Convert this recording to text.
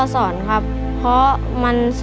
ถูกถูกถูก